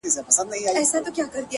• د هغې خوله ، شونډي ، پېزوان او زنـي،